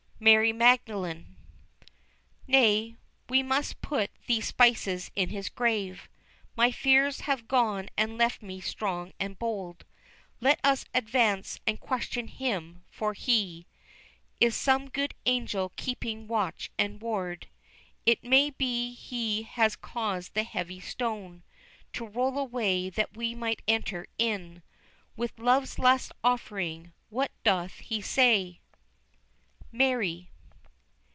MARY MAGDALENE. Nay, we must put these spices in His grave My fears have gone and left me strong and bold, Let us advance and question him, for he Is some good angel keeping watch and ward, It may be he has caused the heavy stone To roll away that we might enter in With love's last offering. What doth he say? MARY.